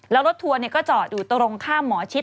แล้วรถทัวร์ก็จอดอยู่ตรงข้ามหมอชิด